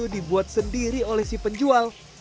dibuat sendiri oleh si penjual